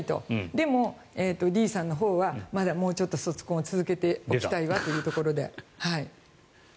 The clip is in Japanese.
でもＤさんのほうはまだもうちょっと卒婚を続けておきたいわということで。